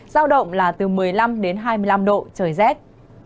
giao động là từ một mươi năm đến hai mươi năm độ trời rét